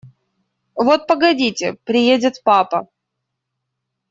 Вот погодите, приедет папа…